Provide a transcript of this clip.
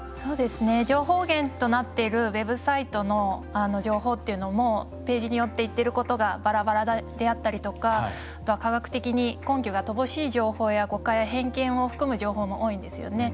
情報源となっているウェブサイトの情報っていうのもページによって言ってることがばらばらであったりとか科学的に根拠が乏しい情報や誤解偏見を含む情報も多いんですよね。